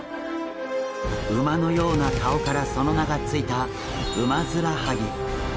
馬のような顔からその名が付いたウマヅラハギ。